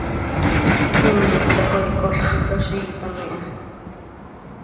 Siimet tacoi col coziiitam iha.